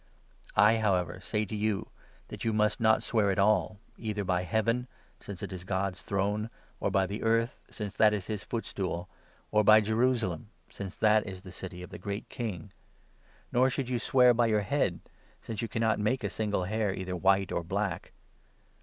I, however, say to you that you must not swear at all, either 34 by Heaven, since that is God's throne, or by the earth, since 35 that is his footstool, or by Jerusalem, since that is the city of the Great King. Nor should you swear by your head, since you 36 cannot make a single hair either white or black.